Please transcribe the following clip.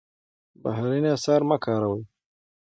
بهرني اسعار مه کاروئ.